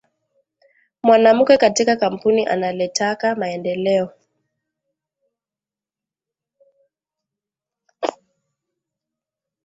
Mwanamuke katika kampuni analeteka maendeleo